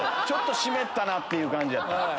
ちょっと湿ったなっていう感じやった。